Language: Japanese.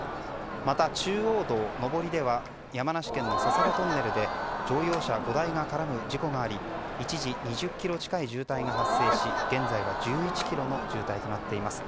また、中央道上りでは山梨県の笹子トンネルで乗用車５台が絡む事故があり一時２０ｋｍ近い渋滞が発生し現在は１１ｋｍの渋滞となっています。